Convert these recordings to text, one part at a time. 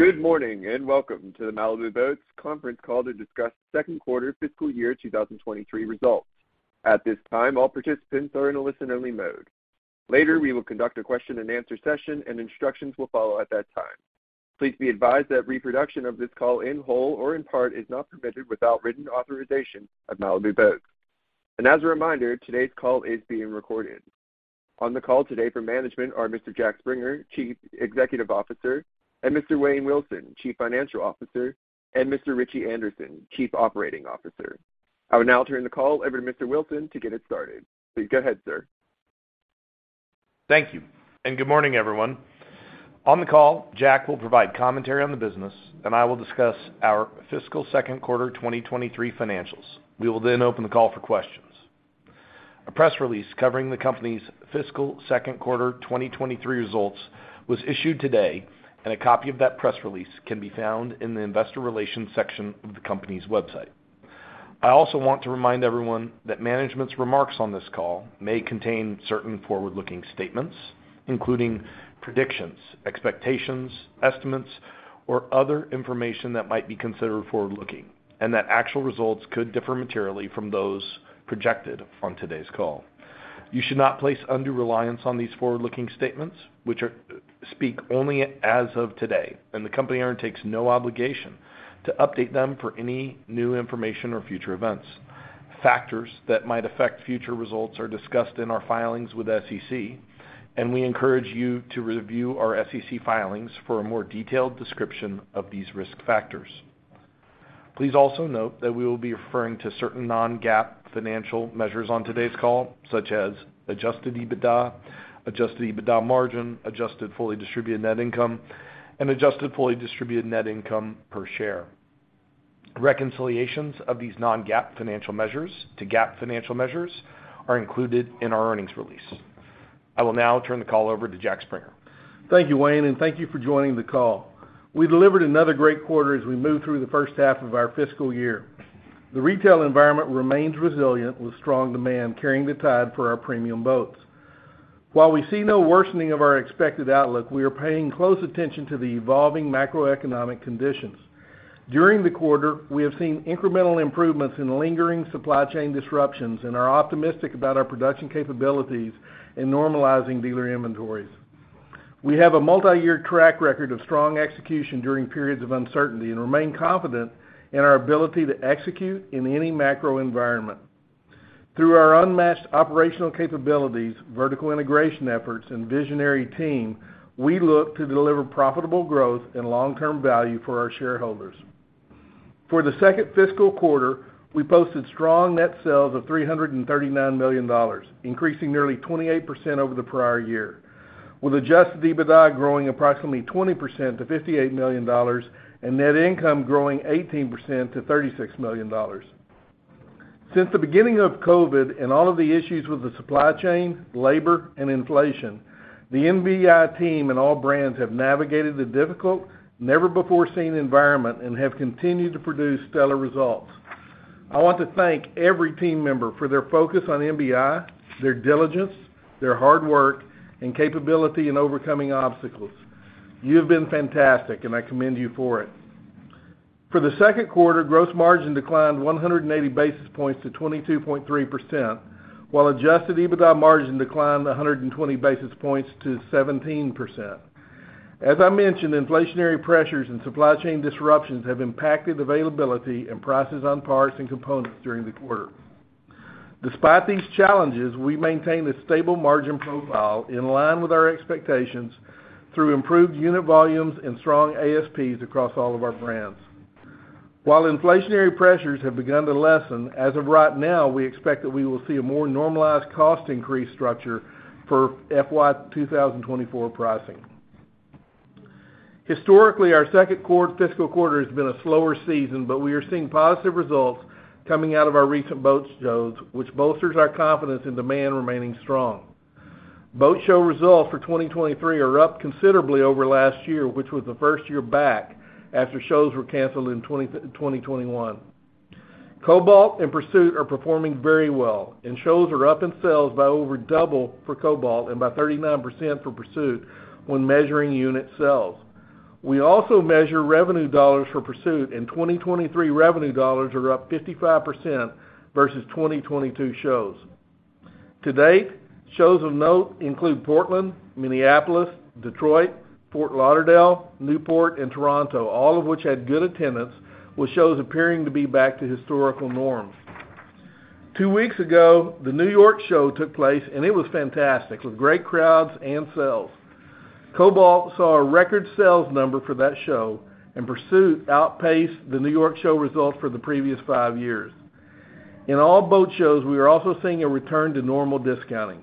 Good morning, welcome to the Malibu Boats conference call to discuss second quarter fiscal year 2023 results. At this time, all participants are in a listen-only mode. Later, we will conduct a question-and-answer session, and instructions will follow at that time. Please be advised that reproduction of this call in whole or in part is not permitted without written authorization of Malibu Boats. As a reminder, today's call is being recorded. On the call today from management are Mr. Jack Springer, Chief Executive Officer, and Mr. Wayne Wilson, Chief Financial Officer, and Mr. Ritchie Anderson, Chief Operating Officer. I will now turn the call over to Mr. Wilson to get it started. Go ahead, sir. Thank you, good morning, everyone. On the call, Jack will provide commentary on the business, and I will discuss our fiscal 2nd quarter 2023 financials. We will then open the call for questions. A press release covering the company's fiscal 2nd quarter 2023 results was issued today, and a copy of that press release can be found in the investor relations section of the company's website. I also want to remind everyone that management's remarks on this call may contain certain forward-looking statements, including predictions, expectations, estimates, or other information that might be considered forward-looking, and that actual results could differ materially from those projected on today's call. You should not place undue reliance on these forward-looking statements, which speak only as of today, and the company undertakes no obligation to update them for any new information or future events. Factors that might affect future results are discussed in our filings with SEC, and we encourage you to review our SEC filings for a more detailed description of these risk factors. Please also note that we will be referring to certain non-GAAP financial measures on today's call, such as Adjusted EBITDA, Adjusted EBITDA margin, Adjusted Fully Distributed Net Income, and Adjusted Fully Distributed Net Income per Share. Reconciliations of these non-GAAP financial measures to GAAP financial measures are included in our earnings release. I will now turn the call over to Jack Springer. Thank you, Wayne. Thank you for joining the call. We delivered another great quarter as we move through the first half of our fiscal year. The retail environment remains resilient with strong demand carrying the tide for our premium boats. While we see no worsening of our expected outlook, we are paying close attention to the evolving macroeconomic conditions. During the quarter, we have seen incremental improvements in lingering supply chain disruptions and are optimistic about our production capabilities in normalizing dealer inventories. We have a multiyear track record of strong execution during periods of uncertainty and remain confident in our ability to execute in any macro environment. Through our unmatched operational capabilities, vertical integration efforts, and visionary team, we look to deliver profitable growth and long-term value for our shareholders. For the second fiscal quarter, we posted strong net sales of $339 million, increasing nearly 28% over the prior year, with Adjusted EBITDA growing approximately 20% to $58 million and net income growing 18% to $36 million. Since the beginning of COVID and all of the issues with the supply chain, labor, and inflation, the MBI team and all brands have navigated the difficult, never-before-seen environment and have continued to produce stellar results. I want to thank every team member for their focus on MBI, their diligence, their hard work, and capability in overcoming obstacles. You have been fantastic, and I commend you for it. For the second quarter, gross margin declined 180 basis points to 22.3%, while Adjusted EBITDA margin declined 120 basis points to 17%. As I mentioned, inflationary pressures and supply chain disruptions have impacted availability and prices on parts and components during the quarter. Despite these challenges, we maintain a stable margin profile in line with our expectations through improved unit volumes and strong ASPs across all of our brands. While inflationary pressures have begun to lessen, as of right now, we expect that we will see a more normalized cost increase structure for FY 2024 pricing. Historically, our fiscal quarter has been a slower season. We are seeing positive results coming out of our recent boat shows, which bolsters our confidence in demand remaining strong. Boat show results for 2023 are up considerably over last year, which was the first year back after shows were canceled in 2021. Cobalt and Pursuit are performing very well. Shows are up in sales by over double for Cobalt and by 39% for Pursuit when measuring unit sales. We also measure revenue dollars for Pursuit. 2023 revenue dollars are up 55% versus 2022 shows. To date, shows of note include Portland, Minneapolis, Detroit, Fort Lauderdale, Newport, and Toronto, all of which had good attendance, with shows appearing to be back to historical norms. two weeks ago, the New York show took place. It was fantastic, with great crowds and sales. Cobalt saw a record sales number for that show. Pursuit outpaced the New York show results for the previous five years. In all boat shows, we are also seeing a return to normal discounting.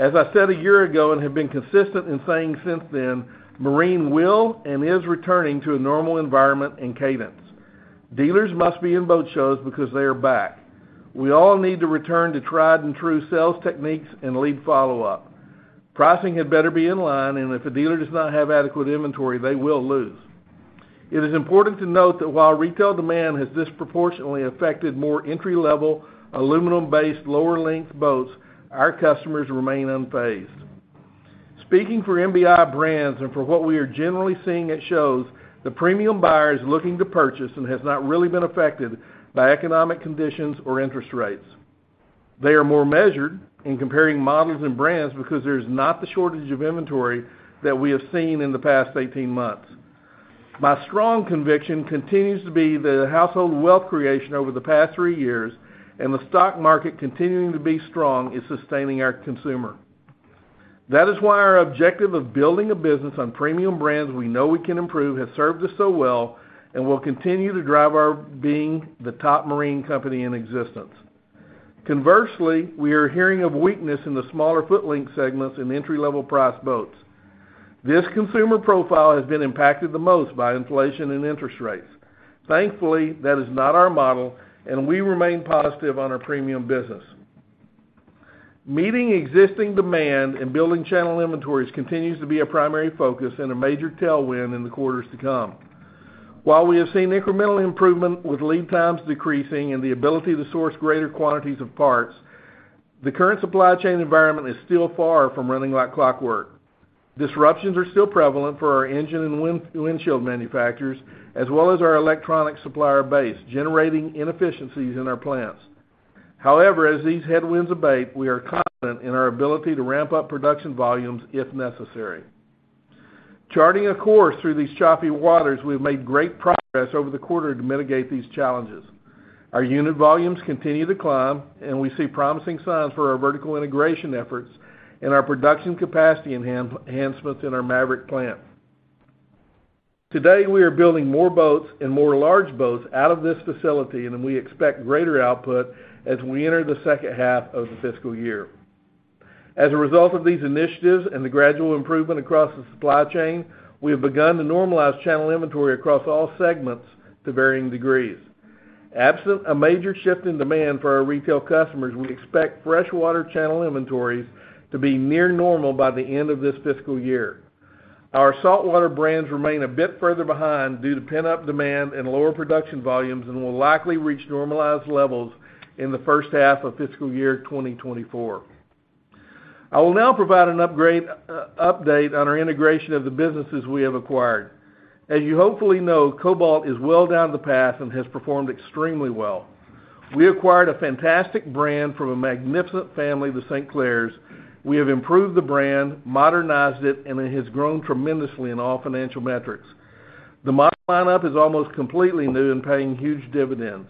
As I said a year ago and have been consistent in saying since then, Marine will and is returning to a normal environment and cadence. Dealers must be in boat shows because they are back. We all need to return to tried and true sales techniques and lead follow-up. Pricing had better be in line, and if a dealer does not have adequate inventory, they will lose. It is important to note that while retail demand has disproportionately affected more entry-level, aluminum-based, lower length boats, our customers remain unfazed. Speaking for MBI brands and for what we are generally seeing at shows, the premium buyer is looking to purchase and has not really been affected by economic conditions or interest rates. They are more measured in comparing models and brands because there's not the shortage of inventory that we have seen in the past 18 months. My strong conviction continues to be the household wealth creation over the past three years. The stock market continuing to be strong is sustaining our consumer. That is why our objective of building a business on premium brands we know we can improve has served us so well and will continue to drive our being the top marine company in existence. Conversely, we are hearing of weakness in the smaller foot length segments and entry-level price boats. This consumer profile has been impacted the most by inflation and interest rates. Thankfully, that is not our model. We remain positive on our premium business. Meeting existing demand and building channel inventories continues to be a primary focus and a major tailwind in the quarters to come. While we have seen incremental improvement with lead times decreasing and the ability to source greater quantities of parts, the current supply chain environment is still far from running like clockwork. Disruptions are still prevalent for our engine and windshield manufacturers, as well as our electronic supplier base, generating inefficiencies in our plants. As these headwinds abate, we are confident in our ability to ramp up production volumes if necessary. Charting a course through these choppy waters, we have made great progress over the quarter to mitigate these challenges. Our unit volumes continue to climb, and we see promising signs for our vertical integration efforts and our production capacity enhancements in our Maverick plant. Today, we are building more boats and more large boats out of this facility, and then we expect greater output as we enter the second half of the fiscal year. As a result of these initiatives and the gradual improvement across the supply chain, we have begun to normalize channel inventory across all segments to varying degrees. Absent a major shift in demand for our retail customers, we expect freshwater channel inventories to be near normal by the end of this fiscal year. Our saltwater brands remain a bit further behind due to pent-up demand and lower production volumes and will likely reach normalized levels in the first half of fiscal year 2024. I will now provide an update on our integration of the businesses we have acquired. As you hopefully know, Cobalt is well down the path and has performed extremely well. We acquired a fantastic brand from a magnificent family, the St. Clairs. We have improved the brand, modernized it, and it has grown tremendously in all financial metrics. The model lineup is almost completely new and paying huge dividends.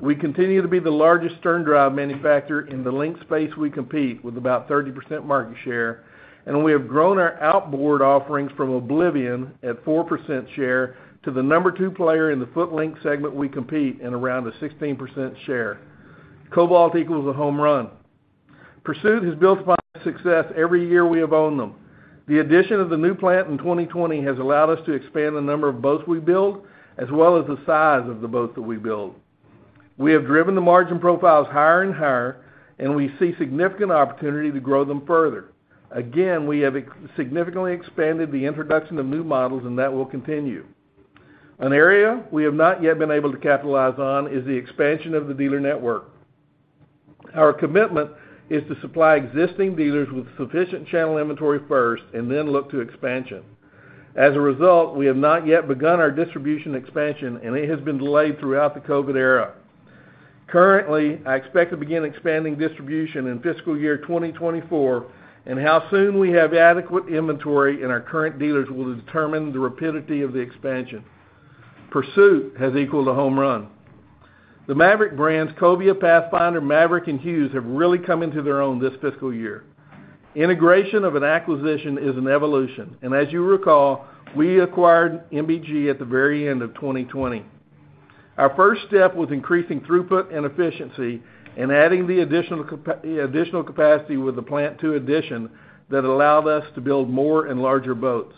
We continue to be the largest stern drive manufacturer in the length segment we compete with about 30% market share, and we have grown our outboard offerings from oblivion at 4% share to the number two player in the foot length segment we compete and around a 16% share. Cobalt equals a home run. Pursuit has built upon success every year we have owned them. The addition of the new plant in 2020 has allowed us to expand the number of boats we build, as well as the size of the boats that we build. We have driven the margin profiles higher and higher, and we see significant opportunity to grow them further. Again, we have significantly expanded the introduction of new models, and that will continue. We have not yet begun our distribution expansion, and it has been delayed throughout the COVID era. Currently, I expect to begin expanding distribution in fiscal year 2024. How soon we have adequate inventory in our current dealers will determine the rapidity of the expansion. Pursuit has equaled a home run. The Maverick brands, Cobia, Pathfinder, Maverick, and Hewes, have really come into their own this fiscal year. Integration of an acquisition is an evolution. As you recall, we acquired MBG at the very end of 2020. Our first step was increasing throughput and efficiency and adding the additional capacity with the plant two addition that allowed us to build more and larger boats.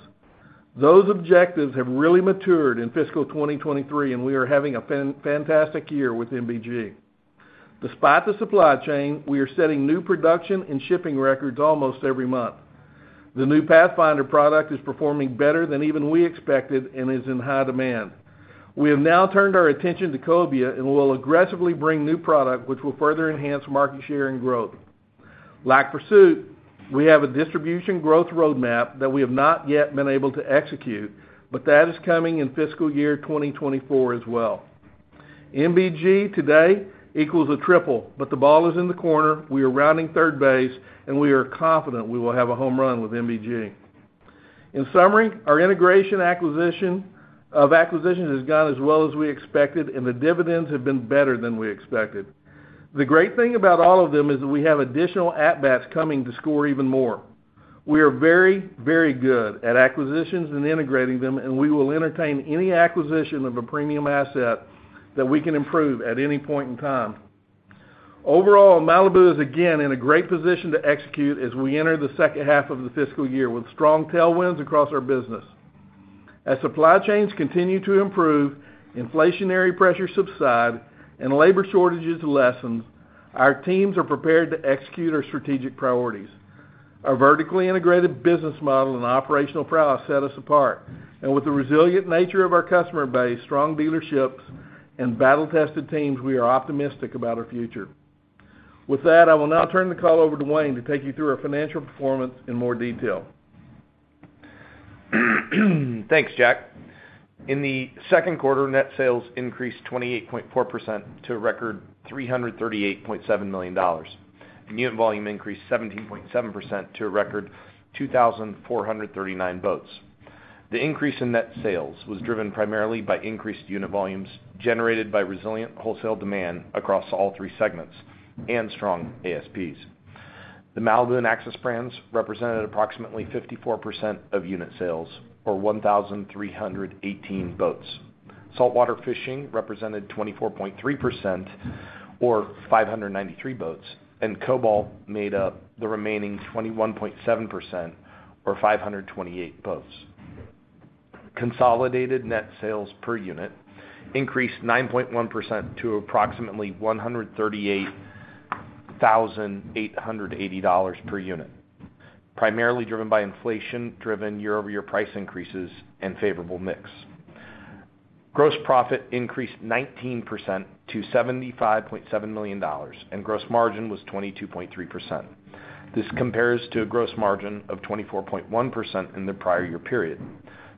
Those objectives have really matured in fiscal 2023, we are having a fantastic year with MBG. Despite the supply chain, we are setting new production and shipping records almost every month. The new Pathfinder product is performing better than even we expected and is in high demand. We have now turned our attention to Cobia and will aggressively bring new product which will further enhance market share and growth. Like Pursuit, we have a distribution growth roadmap that we have not yet been able to execute, that is coming in fiscal year 2024 as well. MBG today equals a triple, but the ball is in the corner, we are rounding third base, and we are confident we will have a home run with MBG. In summary, our integration acquisition has gone as well as we expected, and the dividends have been better than we expected. The great thing about all of them is that we have additional at-bats coming to score even more. We are very good at acquisitions and integrating them, and we will entertain any acquisition of a premium asset that we can improve at any point in time. Overall, Malibu is again in a great position to execute as we enter the second half of the fiscal year with strong tailwinds across our business. As supply chains continue to improve, inflationary pressures subside, and labor shortages lessen, our teams are prepared to execute our strategic priorities. Our vertically integrated business model and operational prowess set us apart. With the resilient nature of our customer base, strong dealerships, and battle-tested teams, we are optimistic about our future. With that, I will now turn the call over to Wayne to take you through our financial performance in more detail. Thanks, Jack. In the second quarter, net sales increased 28.4% to a record $338.7 million, and unit volume increased 17.7% to a record 2,439 boats. The increase in net sales was driven primarily by increased unit volumes generated by resilient wholesale demand across all three segments and strong ASPs. The Malibu and Axis brands represented approximately 54% of unit sales, or 1,318 boats. Saltwater fishing represented 24.3%, or 593 boats, and Cobalt made up the remaining 21.7%, or 528 boats. Consolidated net sales per unit increased 9.1% to approximately $138,880 per unit, primarily driven by inflation-driven year-over-year price increases and favorable mix. Gross profit increased 19% to $75.7 million, and gross margin was 22.3%. This compares to a gross margin of 24.1% in the prior year period.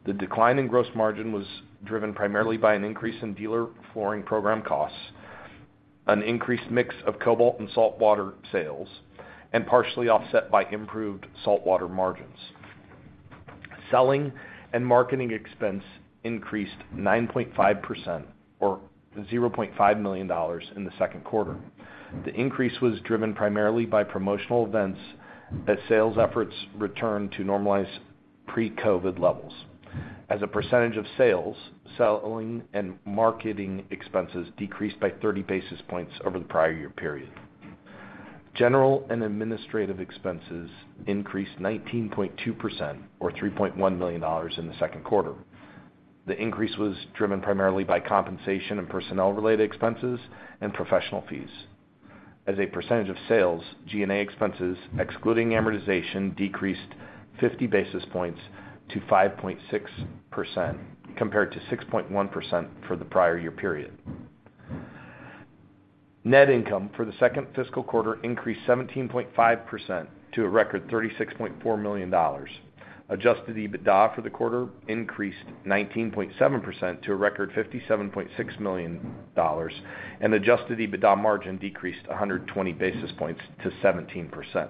The decline in gross margin was driven primarily by an increase in dealer flooring program costs, an increased mix of Cobalt and saltwater sales, and partially offset by improved saltwater margins. Selling and marketing expense increased 9.5% or $0.5 million in the second quarter. The increase was driven primarily by promotional events as sales efforts return to normalized pre-COVID levels. As a percentage of sales, selling and marketing expenses decreased by 30 basis points over the prior year period. General and administrative expenses increased 19.2% or $3.1 million in the second quarter. The increase was driven primarily by compensation and personnel-related expenses and professional fees. As a percentage of sales, G&A expenses, excluding amortization, decreased 50 basis points to 5.6%, compared to 6.1% for the prior year period. Net income for the second fiscal quarter increased 17.5% to a record $36.4 million. Adjusted EBITDA for the quarter increased 19.7% to a record $57.6 million, and Adjusted EBITDA margin decreased 120 basis points to 17%.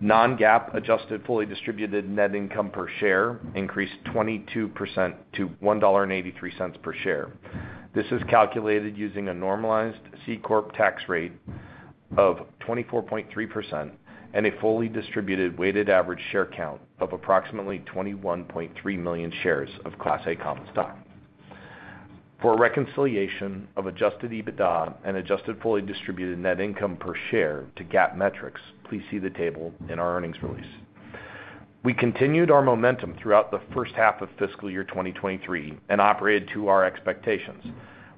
Non-GAAP Adjusted Fully Distributed Net Income per Share increased 22% to $1.83 per share. This is calculated using a normalized C Corp tax rate of 24.3% and a fully distributed weighted average share count of approximately 21.3 million shares of Class A Common Stock. For a reconciliation of Adjusted EBITDA and Adjusted Fully Distributed Net Income per Share to GAAP metrics, please see the table in our earnings release. We continued our momentum throughout the first half of fiscal year 2023 and operated to our expectations.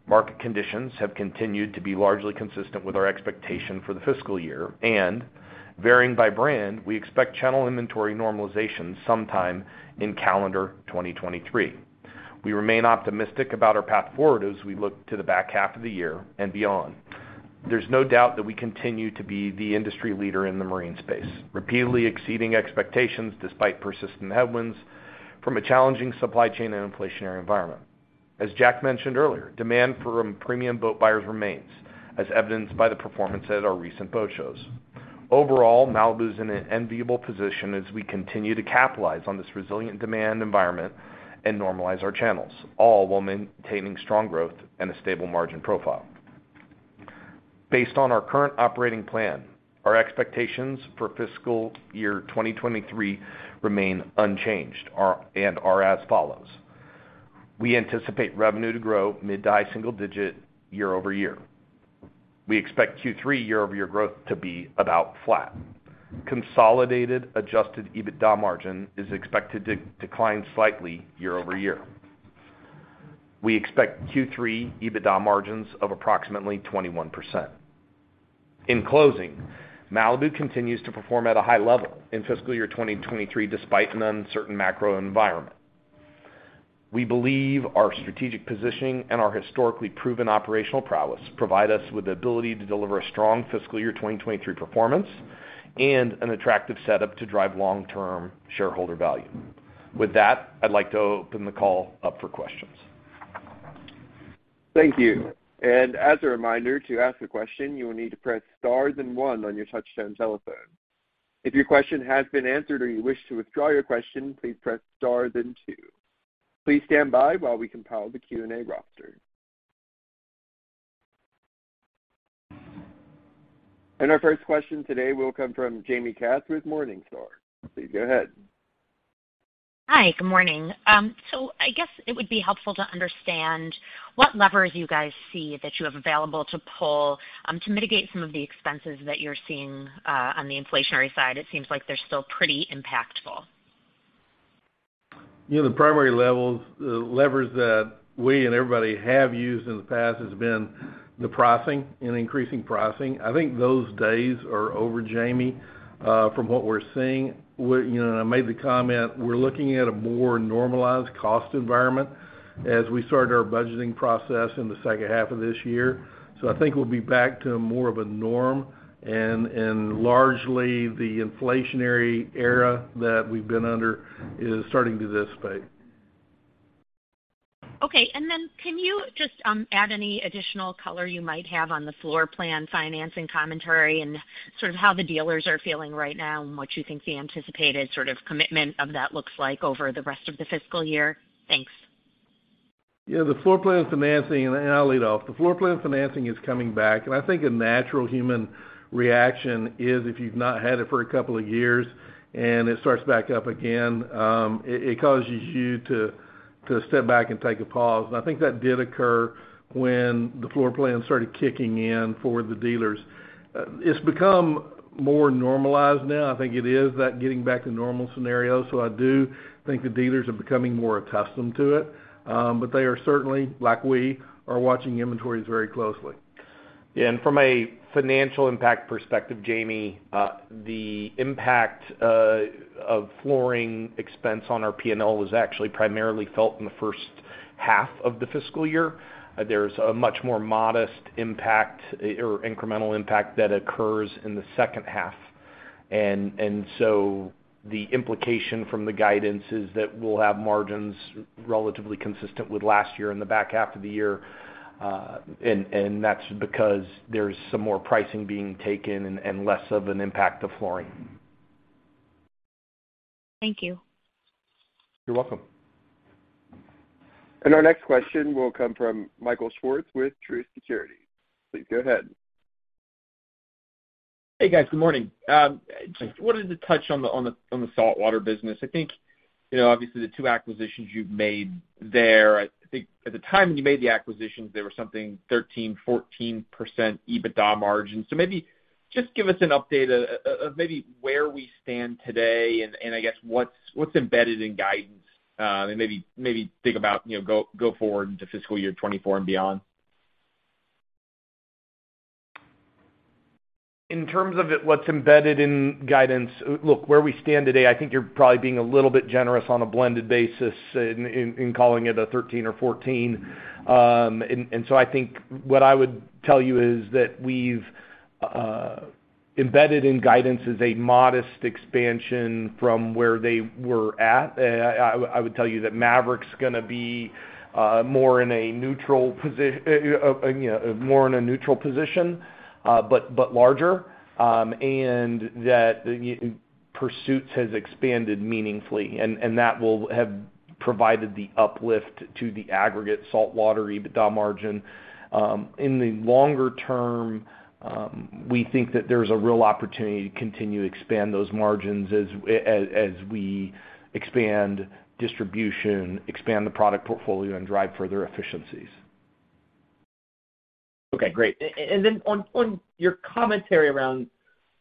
Market conditions have continued to be largely consistent with our expectation for the fiscal year and, varying by brand, we expect channel inventory normalization sometime in calendar 2023. We remain optimistic about our path forward as we look to the back half of the year and beyond. There's no doubt that we continue to be the industry leader in the marine space, repeatedly exceeding expectations despite persistent headwinds from a challenging supply chain and inflationary environment. As Jack mentioned earlier, demand for premium boat buyers remains, as evidenced by the performance at our recent boat shows. Overall, Malibu is in an enviable position as we continue to capitalize on this resilient demand environment and normalize our channels, all while maintaining strong growth and a stable margin profile. Based on our current operating plan, our expectations for fiscal year 2023 remain unchanged and are as follows. We anticipate revenue to grow mid to high single-digit year-over-year. We expect Q3 year-over-year growth to be about flat. Consolidated Adjusted EBITDA margin is expected to decline slightly year-over-year. We expect Q3 EBITDA margins of approximately 21%. In closing, Malibu continues to perform at a high level in fiscal year 2023 despite an uncertain macro environment. We believe our strategic positioning and our historically proven operational prowess provide us with the ability to deliver a strong fiscal year 2023 performance and an attractive setup to drive long-term shareholder value. With that, I'd like to open the call up for questions. Thank you. As a reminder, to ask a question, you will need to press star then one on your touch-tone telephone. If your question has been answered or you wish to withdraw your question, please press star then two. Please stand by while we compile the Q&A roster. Our first question today will come from Jaime Katz with Morningstar. Please go ahead. Hi, good morning. I guess it would be helpful to understand what levers you guys see that you have available to pull, to mitigate some of the expenses that you're seeing, on the inflationary side. It seems like they're still pretty impactful. You know, the primary levers that we and everybody have used in the past has been the pricing and increasing pricing. I think those days are over, Jaime, from what we're seeing. You know, and I made the comment, we're looking at a more normalized cost environment as we start our budgeting process in the second half of this year. I think we'll be back to more of a norm and largely the inflationary era that we've been under is starting to dissipate. Okay. Can you just add any additional color you might have on the floor plan financing commentary and sort of how the dealers are feeling right now and what you think the anticipated sort of commitment of that looks like over the rest of the fiscal year? Thanks. The floor plan financing, and I'll lead off. The floor plan financing is coming back, and I think a natural human reaction is if you've not had it for a couple of years and it starts back up again, it causes you to step back and take a pause. I think that did occur when the floor plan started kicking in for the dealers. It's become more normalized now. I think it is that getting back to normal scenario. I do think the dealers are becoming more accustomed to it. They are certainly, like we, are watching inventories very closely. Yeah. From a financial impact perspective, Jaime, the impact of flooring expense on our P&L was actually primarily felt in the first half of the fiscal year. There's a much more modest impact or incremental impact that occurs in the second half. The implication from the guidance is that we'll have margins relatively consistent with last year in the back half of the year, that's because there's some more pricing being taken and less of an impact to flooring. Thank you. You're welcome. Our next question will come from Michael Swartz with Truist Securities. Please go ahead. Hey, guys. Good morning. Just wanted to touch on the saltwater business. I think, you know, obviously, the two acquisitions you've made there, I think at the time when you made the acquisitions, they were something 13%-14% EBITDA margins. Maybe just give us an update of maybe where we stand today and I guess what's embedded in guidance and maybe think about, you know, go forward into fiscal year 2024 and beyond. In terms of it what's embedded in guidance, look, where we stand today, I think you're probably being a little bit generous on a blended basis in calling it a 13% or 14%. I think what I would tell you is that we've embedded in guidance is a modest expansion from where they were at. I would tell you that Maverick's gonna be more in a neutral position, but larger, and that Pursuit has expanded meaningfully. That will have provided the uplift to the aggregate saltwater EBITDA margin. In the longer term, we think that there's a real opportunity to continue to expand those margins as we expand distribution, expand the product portfolio, and drive further efficiencies. Okay. Great. Then on your commentary around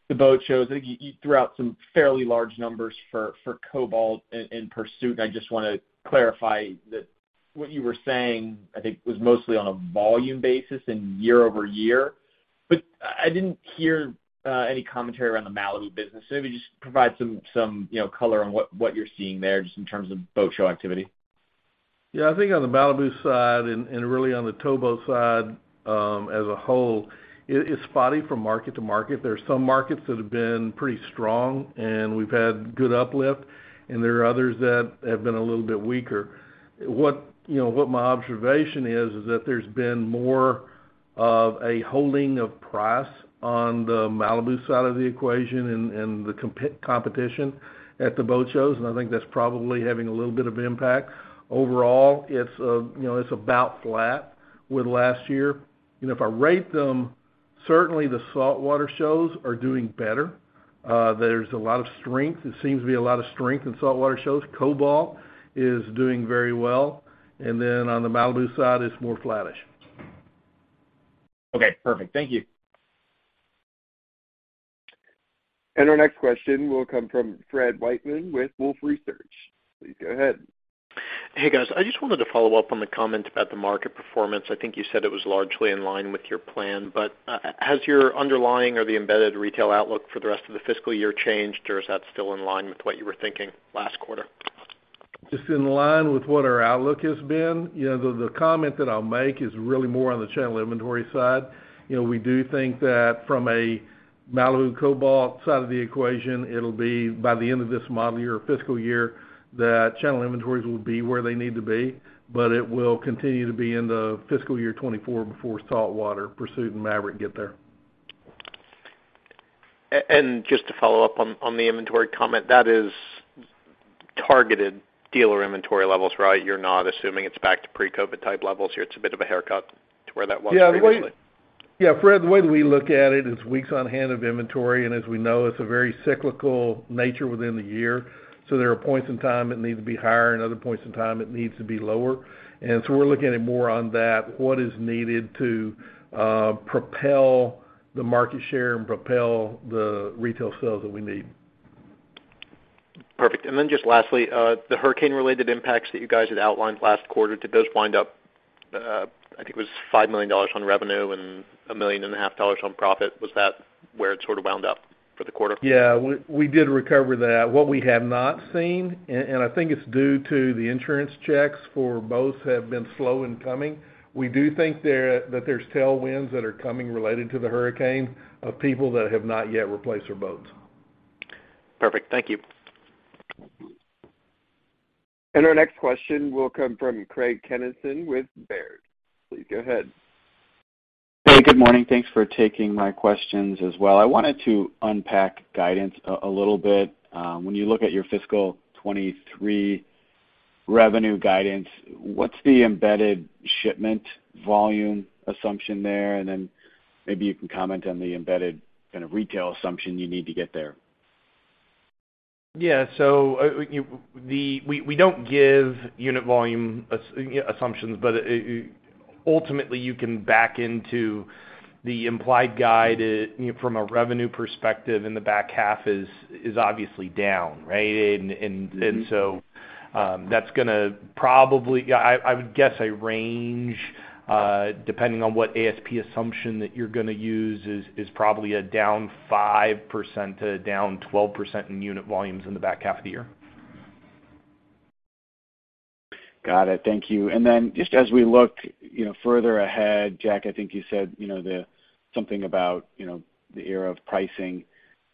the boat shows, I think you threw out some fairly large numbers for Cobalt and Pursuit. I just wanna clarify that what you were saying, I think, was mostly on a volume basis and year-over-year. I didn't hear any commentary around the Malibu business. If you could just provide some, you know, color on what you're seeing there just in terms of boat show activity. Yeah. I think on the Malibu side and really on the towboat side, as a whole, it is spotty from market to market. There are some markets that have been pretty strong, and we've had good uplift, and there are others that have been a little bit weaker. What, you know, what my observation is that there's been more of a holding of price on the Malibu side of the equation and the competition at the boat shows, and I think that's probably having a little bit of impact. Overall, it's, you know, it's about flat with last year. If I rate them, certainly the saltwater shows are doing better. There's a lot of strength. There seems to be a lot of strength in saltwater shows. Cobalt is doing very well. Then on the Malibu side, it's more flattish. Okay. Perfect. Thank you. Our next question will come from Fred Wightman with Wolfe Research. Please go ahead. Hey, guys. I just wanted to follow up on the comment about the market performance. I think you said it was largely in line with your plan, but has your underlying or the embedded retail outlook for the rest of the fiscal year changed, or is that still in line with what you were thinking last quarter? Just in line with what our outlook has been. You know, the comment that I'll make is really more on the channel inventory side. You know, we do think that from a Malibu Cobalt side of the equation, it'll be by the end of this model year or fiscal year that channel inventories will be where they need to be, but it will continue to be into fiscal year 2024 before saltwater, Pursuit, and Maverick get there. Just to follow up on the inventory comment, that is targeted dealer inventory levels, right? You're not assuming it's back to pre-COVID type levels here. It's a bit of a haircut to where that was previously. Yeah. Fred, the way that we look at it is weeks on hand of inventory. As we know, it's a very cyclical nature within the year. There are points in time it needs to be higher and other points in time it needs to be lower. We're looking at it more on that, what is needed to propel the market share and propel the retail sales that we need. Perfect. Just lastly, the hurricane-related impacts that you guys had outlined last quarter, did those wind up, I think it was $5 million on revenue and a million and a half dollars on profit. Was that where it sort of wound up for the quarter? Yeah. We did recover that. What we have not seen, and I think it's due to the insurance checks for boats have been slow in coming, we do think that there's tailwinds that are coming related to the hurricane of people that have not yet replaced their boats. Perfect. Thank you. Our next question will come from Craig Kennison with Baird. Please go ahead. Hey, good morning. Thanks for taking my questions as well. I wanted to unpack guidance a little bit. When you look at your fiscal 23 revenue guidance, what's the embedded shipment volume assumption there? Maybe you can comment on the embedded kind of retail assumption you need to get there. Yeah. We don't give unit volume assumptions, but ultimately, you can back into the implied guide, you know, from a revenue perspective, and the back half is obviously down, right? Mm-hmm. That's gonna probably. Yeah, I would guess a range, depending on what ASP assumption that you're gonna use is probably a down 5% to down 12% in unit volumes in the back half of the year. Got it. Thank you. Just as we look, you know, further ahead, Jack, I think you said, you know, something about, you know, the era of pricing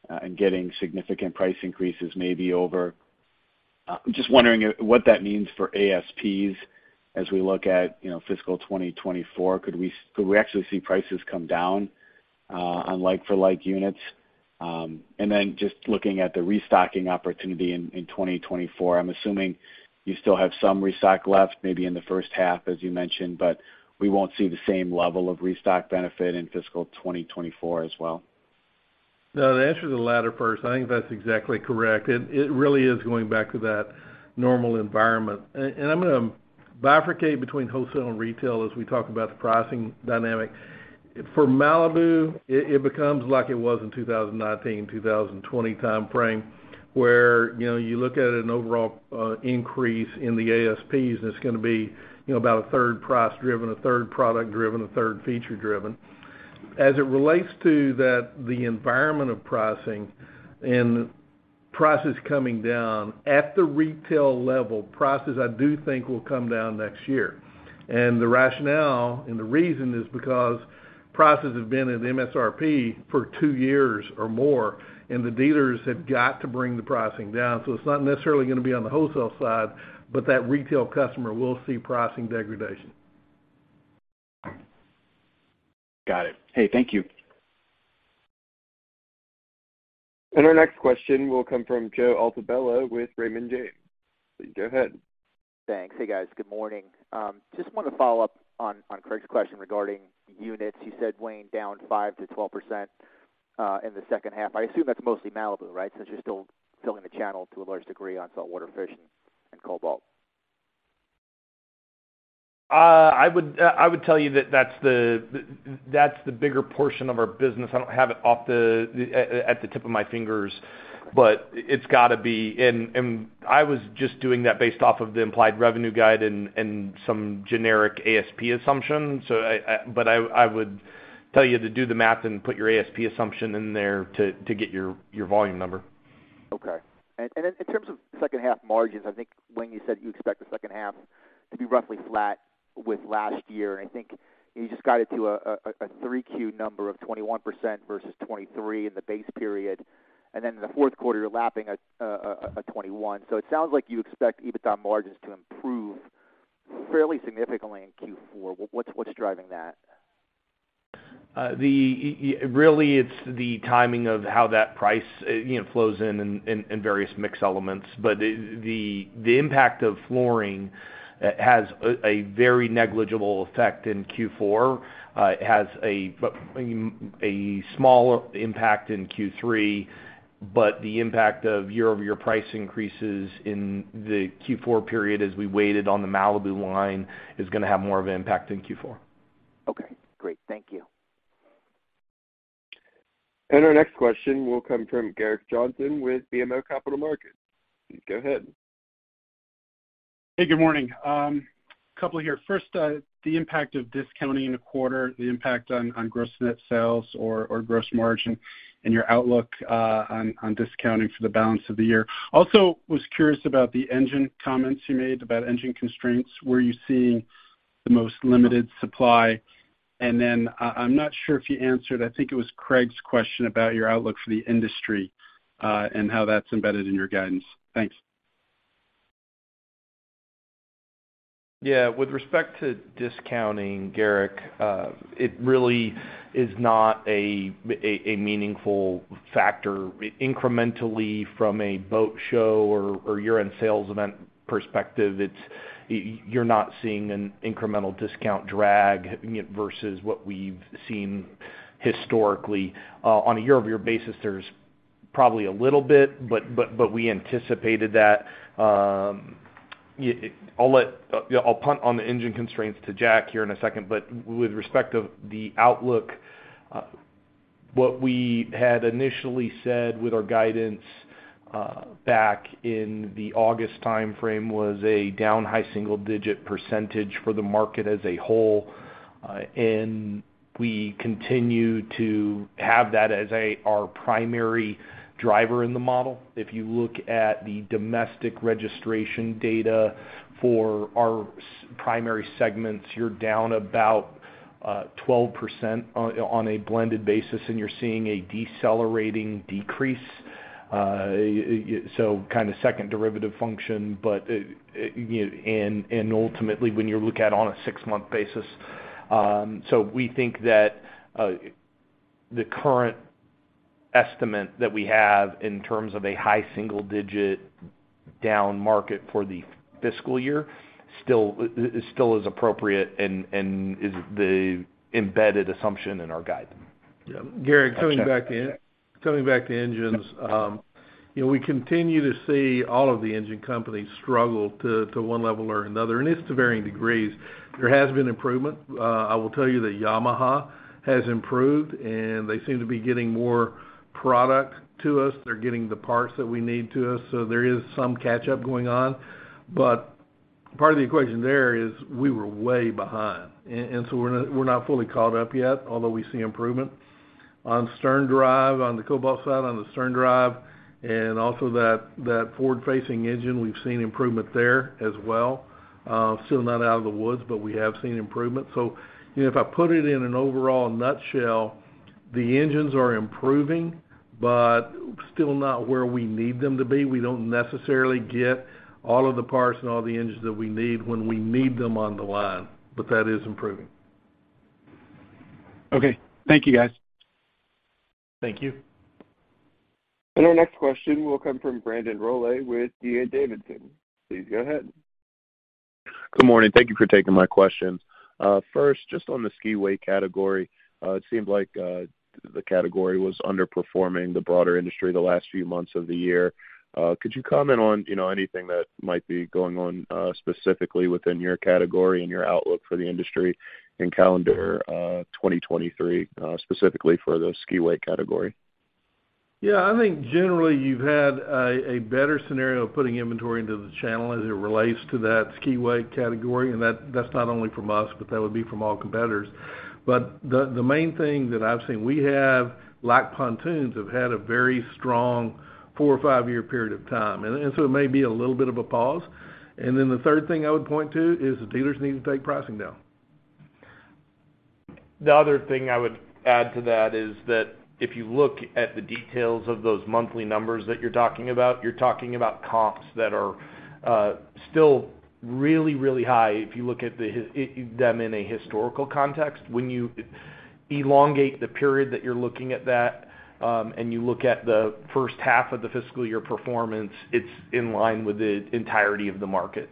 and getting significant price increases maybe over. I'm just wondering what that means for ASPs as we look at, you know, fiscal 2024. Could we actually see prices come down on like-for-like units? Just looking at the restocking opportunity in 2024, I'm assuming you still have some restock left maybe in the first half, as you mentioned, but we won't see the same level of restock benefit in fiscal 2024 as well. No, the answer to the latter first, I think that's exactly correct. It really is going back to that normal environment. I'm gonna bifurcate between wholesale and retail as we talk about the pricing dynamic. For Malibu, it becomes like it was in 2019-2020 timeframe, where, you know, you look at an overall increase in the ASPs, it's gonna be, you know, about a third price driven, a third product driven, a third feature driven. As it relates to that, the environment of pricing and prices coming down, at the retail level, prices I do think will come down next year. The rationale and the reason is because prices have been at MSRP for two years or more, the dealers have got to bring the pricing down. It's not necessarily gonna be on the wholesale side, but that retail customer will see pricing degradation. Got it. Hey, thank you. Our next question will come from Joe Altobello with Raymond James. Please go ahead. Thanks. Hey, guys. Good morning. Just wanted to follow up on Craig's question regarding units. You said, Wayne, down 5%-12% in the second half. I assume that's mostly Malibu, right? Since you're still filling the channel to a large degree on saltwater fishing and Cobalt. I would tell you that that's the bigger portion of our business. I don't have it off the tip of my fingers, but it's gotta be. I was just doing that based off of the implied revenue guide and some generic ASP assumptions. But I would tell you to do the math and put your ASP assumption in there to get your volume number. Okay. In terms of second half margins, I think, Wayne, you said you expect the second half to be roughly flat with last year. I think you just got it to a 3Q number of 21% versus 23 in the base period. Then in the fourth quarter, you're lapping a 21. It sounds like you expect EBITDA margins to improve fairly significantly in Q4. What's driving that? Really, it's the timing of how that price, you know, flows in various mix elements. The impact of flooring has a very negligible effect in Q4. It has a small impact in Q3, but the impact of year-over-year price increases in the Q4 period as we waited on the Malibu line is gonna have more of an impact in Q4. Okay, great. Thank you. Our next question will come from Gerrick Johnson with BMO Capital Markets. Go ahead. Hey, good morning. A couple here. First, the impact of discounting in the quarter, the impact on gross net sales or gross margin and your outlook on discounting for the balance of the year. Also was curious about the engine comments you made, about engine constraints, where you're seeing the most limited supply. I'm not sure if you answered, I think it was Craig's question about your outlook for the industry and how that's embedded in your guidance. Thanks. Yeah. With respect to discounting, Gerrick, it really is not a meaningful factor incrementally from a boat show or year-end sales event perspective. You're not seeing an incremental discount drag, you know, versus what we've seen historically. On a year-over-year basis, there's probably a little bit, but we anticipated that. I'll punt on the engine constraints to Jack here in a second. With respect of the outlook, What we had initially said with our guidance, back in the August time frame was a down high single-digit % for the market as a whole. We continue to have that as our primary driver in the model. If you look at the domestic registration data for our primary segments, you're down about 12% on a blended basis, and you're seeing a decelerating decrease. So kind of second derivative function, but, and ultimately, when you look at on a six-month basis. So we think that the current estimate that we have in terms of a high single-digit down market for the fiscal year still is still is appropriate and is the embedded assumption in our guidance. Yeah. Gerrick, coming back to engines. You know, we continue to see all of the engine companies struggle to one level or another, and it's to varying degrees. There has been improvement. I will tell you that Yamaha has improved, and they seem to be getting more product to us. They're getting the parts that we need to us, so there is some catch-up going on. Part of the equation there is we were way behind. And so we're not fully caught up yet, although we see improvement. On stern drive on the Cobalt side, on the stern drive and also that forward-facing engine, we've seen improvement there as well. Still not out of the woods, but we have seen improvement. You know, if I put it in an overall nutshell, the engines are improving but still not where we need them to be. We don't necessarily get all of the parts and all the engines that we need when we need them on the line, but that is improving. Okay. Thank you, guys. Thank you. Our next question will come from Brandon Rolle with D.A. Davidson. Please go ahead. Good morning. Thank you for taking my questions. first, just on the ski wake category, it seemed like, the category was underperforming the broader industry the last few months of the year. could you comment on, you know, anything that might be going on, specifically within your category and your outlook for the industry in calendar 2023, specifically for the ski wake category? Yeah. I think generally you've had a better scenario of putting inventory into the channel as it relates to that ski wake category, and that's not only from us, but that would be from all competitors. The main thing that I've seen, we have, like pontoons, have had a very strong 4 or 5-year period of time. It may be a little bit of a pause. The third thing I would point to is the dealers need to take pricing down. The other thing I would add to that is that if you look at the details of those monthly numbers that you're talking about, you're talking about comps that are still really, really high if you look at them in a historical context. When you elongate the period that you're looking at that, and you look at the first half of the fiscal year performance, it's in line with the entirety of the market.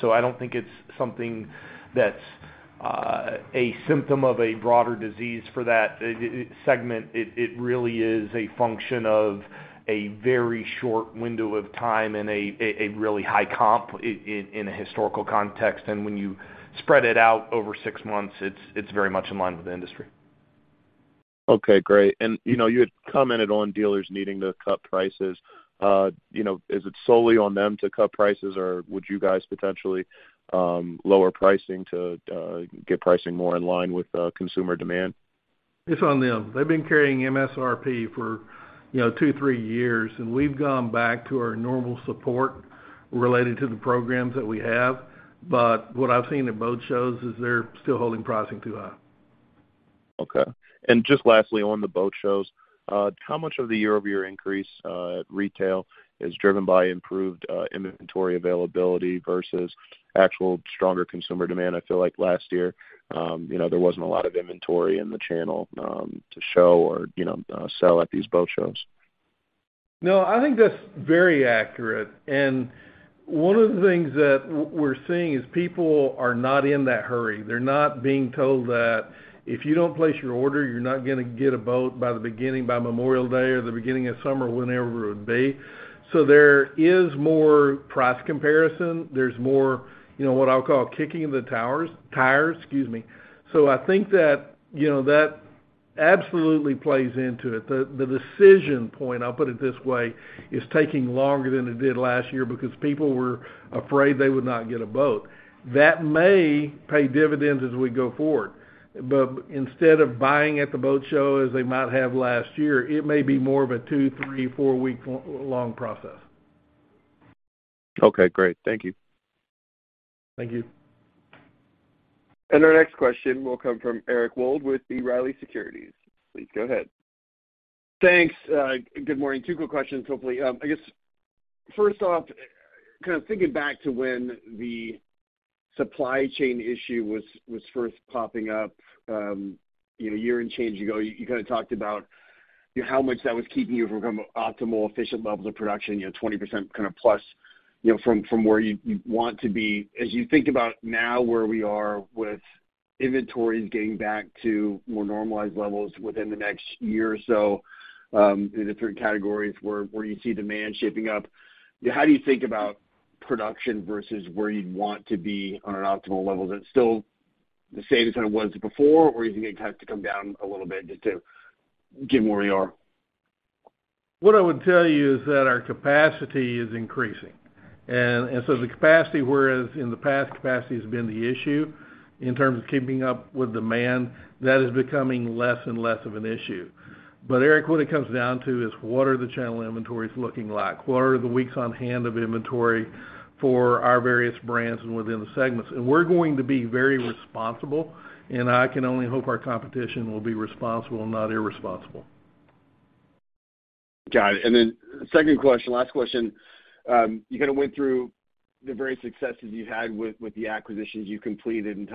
So I don't think it's something that's a symptom of a broader disease for that segment. It really is a function of a very short window of time and a really high comp in a historical context. When you spread it out over six months, it's very much in line with the industry. Okay. Great. You know, you had commented on dealers needing to cut prices. You know, is it solely on them to cut prices, or would you guys potentially lower pricing to get pricing more in line with the consumer demand? It's on them. They've been carrying MSRP for, you know, 2, 3 years. We've gone back to our normal support related to the programs that we have. What I've seen at boat shows is they're still holding pricing too high. Okay. Just lastly, on the boat shows, how much of the year-over-year increase at retail is driven by improved inventory availability versus actual stronger consumer demand? I feel like last year, you know, there wasn't a lot of inventory in the channel, to show or, you know, sell at these boat shows. No, I think that's very accurate. One of the things that we're seeing is people are not in that hurry. They're not being told that if you don't place your order, you're not gonna get a boat by the beginning, by Memorial Day or the beginning of summer, whenever it would be. There is more price comparison. There's more, you know, what I'll call kicking the tires, excuse me. I think that, you know, that absolutely plays into it. The decision point, I'll put it this way, is taking longer than it did last year because people were afraid they would not get a boat. That may pay dividends as we go forward. Instead of buying at the boat show as they might have last year, it may be more of a two, three, four-week long process. Okay, great. Thank you. Thank you. Our next question will come from Eric Wold with B. Riley Securities. Please go ahead. Thanks. Good morning. Two quick questions, hopefully. I guess, first off, kind of thinking back to when the supply chain issue was first popping up, you know, a year and change ago, you kind of talked about, you know, how much that was keeping you from kind of optimal efficient levels of production, you know, 20% kind of plus, you know, from where you want to be. As you think about now where we are with inventories getting back to more normalized levels within the next year or so, in the different categories where you see demand shaping up, how do you think about production versus where you'd want to be on an optimal level? Is it still the same as it was before or do you think it has to come down a little bit just to get where you are? What I would tell you is that our capacity is increasing. The capacity, whereas in the past capacity has been the issue in terms of keeping up with demand, that is becoming less and less of an issue. Eric, what it comes down to is what are the channel inventories looking like? What are the weeks on hand of inventory for our various brands and within the segments? We're going to be very responsible, and I can only hope our competition will be responsible and not irresponsible. Got it. Second question, last question. You kind of went through the various successes you had with the acquisitions you completed and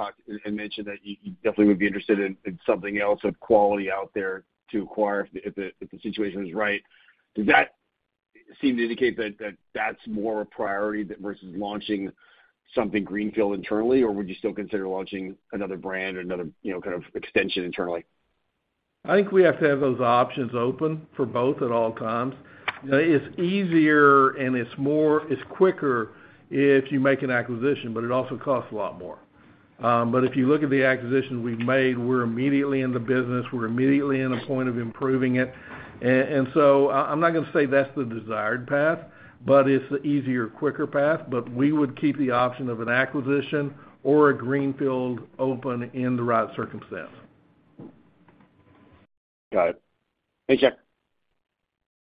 mentioned that you definitely would be interested in something else of quality out there to acquire if the situation is right. Does that seem to indicate that that's more a priority versus launching something greenfield internally, or would you still consider launching another brand or another, you know, kind of extension internally? I think we have to have those options open for both at all times. You know, it's easier and it's quicker if you make an acquisition, it also costs a lot more. If you look at the acquisitions we've made, we're immediately in the business, we're immediately in a point of improving it. I'm not gonna say that's the desired path, it's the easier, quicker path. We would keep the option of an acquisition or a greenfield open in the right circumstance. Got it. Thanks, Jack.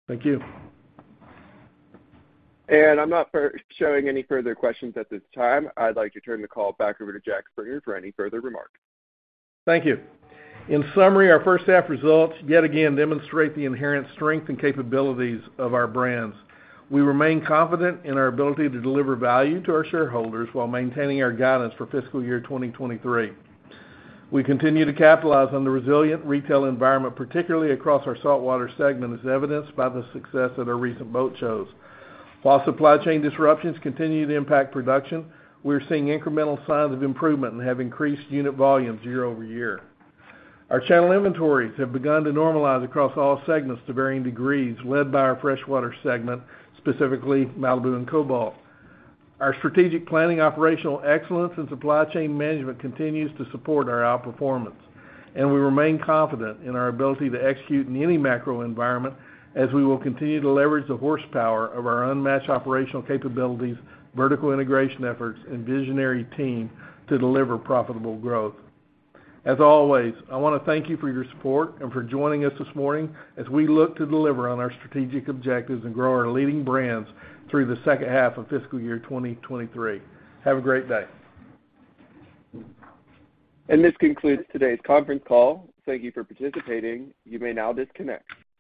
Thank you. I'm not showing any further questions at this time. I'd like to turn the call back over to Jack Springer for any further remarks. Thank you. In summary, our first half results yet again demonstrate the inherent strength and capabilities of our brands. We remain confident in our ability to deliver value to our shareholders while maintaining our guidance for fiscal year 2023. We continue to capitalize on the resilient retail environment, particularly across our saltwater segment, as evidenced by the success of our recent boat shows. While supply chain disruptions continue to impact production, we're seeing incremental signs of improvement and have increased unit volumes year-over-year. Our channel inventories have begun to normalize across all segments to varying degrees, led by our freshwater segment, specifically Malibu and Cobalt. Our strategic planning, operational excellence, and supply chain management continues to support our outperformance. We remain confident in our ability to execute in any macro environment as we will continue to leverage the horsepower of our unmatched operational capabilities, vertical integration efforts, and visionary team to deliver profitable growth. As always, I wanna thank you for your support and for joining us this morning as we look to deliver on our strategic objectives and grow our leading brands through the second half of fiscal year 2023. Have a great day. This concludes today's conference call. Thank you for participating. You may now disconnect.